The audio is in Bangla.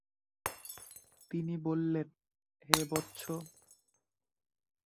তিনি বললেন, হে বৎস!